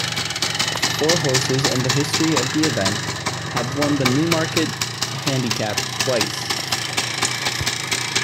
Four horses in the history of the event have won the Newmarket Handicap twice.